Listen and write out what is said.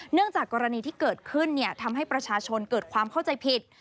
จากกรณีที่เกิดขึ้นทำให้ประชาชนเกิดความเข้าใจผิด